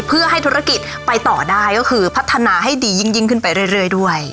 เพื่อให้ธุรกิจไปต่อได้ก็คือพัฒนาให้ดียิ่งขึ้นไปเรื่อยด้วย